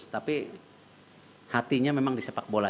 tapi hatinya memang di sepak bola